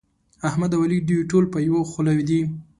احمد او علي دوی ټول په يوه خوله دي.